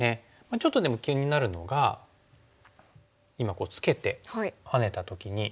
ちょっとでも気になるのが今ツケてハネた時に切って１目取られたら。